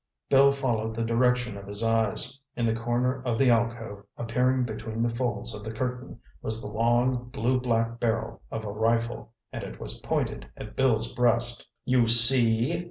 Bill followed the direction of his eyes. In the corner of the alcove, appearing between the folds of the curtain, was the long, blue black barrel of a rifle, and it was pointed at Bill's breast. "You see!"